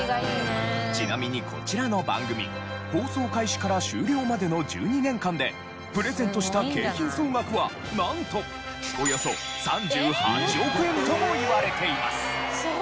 ちなみにこちらの番組放送開始から終了までの１２年間でプレゼントした景品総額はなんと。とも言われています。